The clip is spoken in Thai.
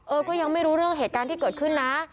ก็ยังไม่รู้เรื่องเหตุการณ์ที่เกิดขึ้นนะ